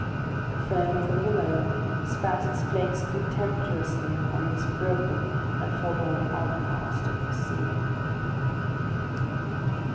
The foam from below spat its flakes contemptuously upon this broken and forlorn outcast of the sea.